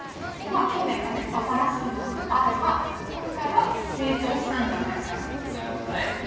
去年がね「新しい」なのであれば今回は「成長」したんじゃないかなと。